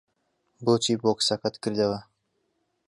بۆچی بۆکسەکەت کردەوە؟